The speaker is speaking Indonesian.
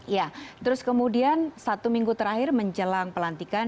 ya terus kemudian satu minggu terakhir menjelang pelantikan